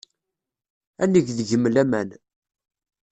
Ad neg deg-m laman.